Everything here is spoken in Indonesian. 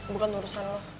bukan urusan lo